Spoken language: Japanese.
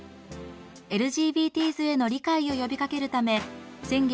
ＬＧＢＴｓへの理解を呼びかけるため先月